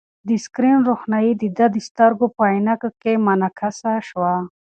د سکرین روښنايي د ده د سترګو په عینکې کې منعکسه شوه.